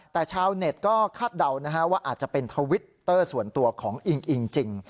แต่ชาวเน็ตก็คาดเดานะฮะว่าอาจจะเป็นทวิตเตอร์ส่วนตัวของอิงอิงจริง